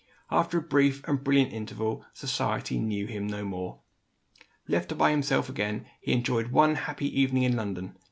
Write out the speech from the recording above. After a brief and brilliant interval, society knew him no more. Left by himself again, he enjoyed one happy evening in London.